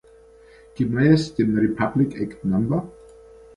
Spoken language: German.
Gemäß dem Republic Act No.